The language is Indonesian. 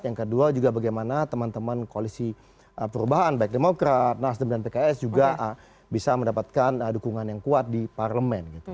yang kedua juga bagaimana teman teman koalisi perubahan baik demokrat nasdem dan pks juga bisa mendapatkan dukungan yang kuat di parlemen